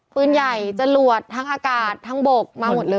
ปืนใหญ่จรวดทั้งอากาศทั้งบกมาหมดเลย